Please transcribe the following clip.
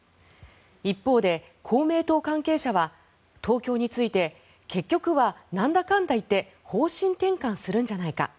一方で、公明党関係者は東京について結局はなんだかんだ言って方針転換するんじゃないか。